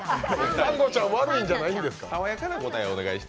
Ｓｕｎｎａちゃん、悪いんじゃないんですか。